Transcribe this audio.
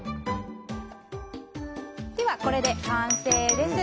ではこれで完成です！